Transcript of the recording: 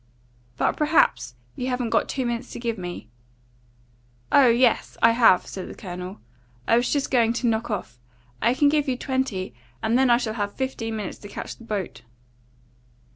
"But perhaps you haven't got two minutes to give me?" "Oh yes, I have," said the Colonel. "I was just going to knock off. I can give you twenty, and then I shall have fifteen minutes to catch the boat."